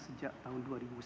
sejak tahun dua ribu sebelas